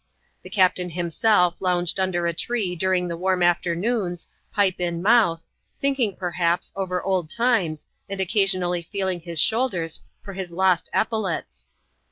The captain himself lounged under a tree during the warm afternoons, pipe in mouth; thinking, perhaps, over old times, and occasiondly feeling his shoulders for his lost epaulets.